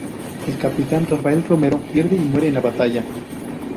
El Capitán Rafael Romero pierde y muere en la batalla.